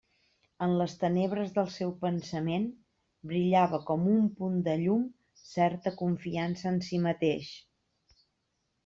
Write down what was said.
En les tenebres del seu pensament brillava com un punt de llum certa confiança en si mateix.